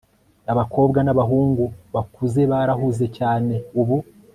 abakobwa n'abahungu bakuze barahuze cyane ubu